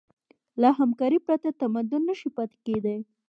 له همکارۍ پرته تمدن نهشي پاتې کېدی.